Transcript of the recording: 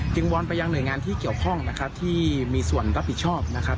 วอนไปยังหน่วยงานที่เกี่ยวข้องนะครับที่มีส่วนรับผิดชอบนะครับ